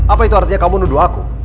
apa itu artinya kamu menuduh aku